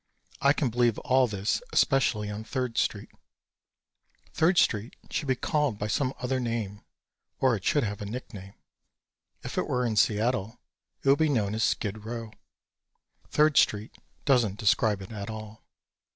I can believe all this especially on Third street. Third street should be called by some other name or it should have a nickname. If it were in Seattle it would be known as "skid row." Third street doesn't describe it at all.